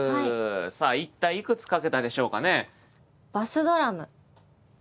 さあ一体いくつ書けたでしょうかね。